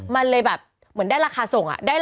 มันเลยแบบเหมือนได้ราคาส่ง